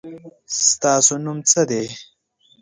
ستاسو نوم څه دی؟